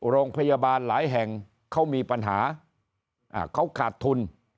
โรงพยาบาลหลายแห่งเขามีปัญหาเขาขาดทุน